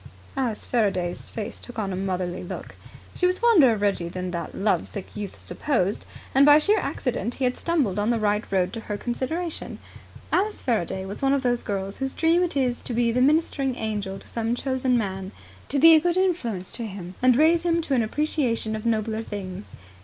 Alice Faraday's face took on a motherly look. She was fonder of Reggie than that love sick youth supposed, and by sheer accident he had stumbled on the right road to her consideration. Alice Faraday was one of those girls whose dream it is to be a ministering angel to some chosen man, to be a good influence to him and raise him to an appreciation of nobler things.